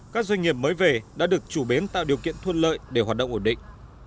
các doanh nghiệp mới về đã được chủ bến tạo điều kiện thuận lợi để hoạt động ổn định